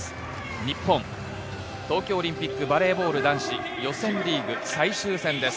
日本、東京オリンピック、バレーボール男子、予選リーグ最終戦です。